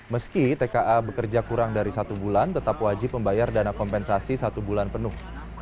meski tka bekerja kurang dari satu bulan tetap wajib membayar dana kompensasi satu bulan penuh